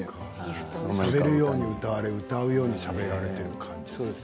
しゃべるように歌われる歌うようにしゃべる感じ。